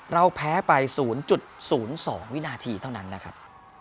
เราแพ้ไป๐๐๒วินาทีเท่านั้นนะครับ